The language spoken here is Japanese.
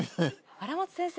荒俣先生